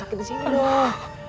sakit disini dong